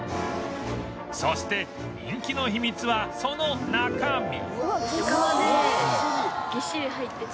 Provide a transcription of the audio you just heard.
そして人気の秘密はその中身